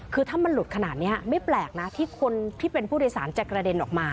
คือถ้ามันหลุดขนาดนี้ไม่แปลกนะที่คนที่เป็นผู้โดยสารจะกระเด็นออกมา